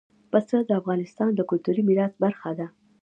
پسه د افغانستان د کلتوري میراث برخه ده.